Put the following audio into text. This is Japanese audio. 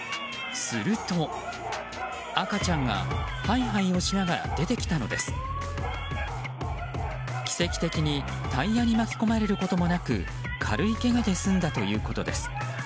すると、赤ちゃんがハイハイをしながら出てきたのです。奇跡的にタイヤに巻き込まれることもなく軽いけがで済んだということです。